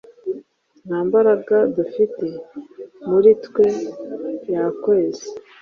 Nta mbaraga dufite muri twe yakweza